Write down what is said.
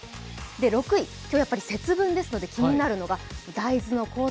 ６位、今日はやはり節分ですので、気になるのが大豆の高騰。